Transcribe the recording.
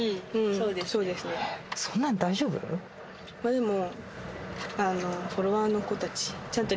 でも。